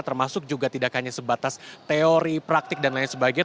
termasuk juga tidak hanya sebatas teori praktik dan lain sebagainya